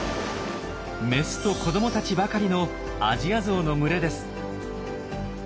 メスと子どもたちばかりのアジアゾウの群れです。